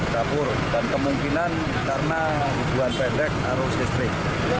dapur dan kemungkinan karena hujan pendek arus listrik